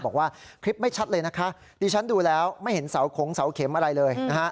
บอกว่าคลิปไม่ชัดเลยนะคะดิฉันดูแล้วไม่เห็นเสาคงเสาเข็มอะไรเลยนะฮะ